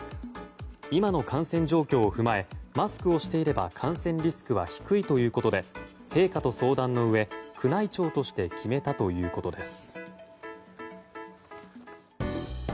今の感染状況を踏まえマスクをしていれば感染リスクは低いということで陛下と相談のうえ宮内庁として決めたということです。